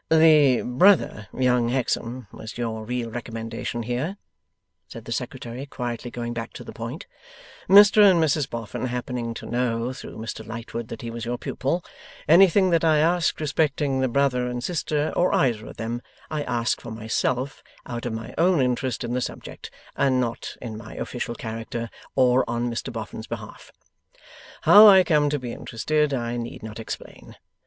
'The brother, young Hexam, was your real recommendation here,' said the Secretary, quietly going back to the point; 'Mr and Mrs Boffin happening to know, through Mr Lightwood, that he was your pupil. Anything that I ask respecting the brother and sister, or either of them, I ask for myself out of my own interest in the subject, and not in my official character, or on Mr Boffin's behalf. How I come to be interested, I need not explain.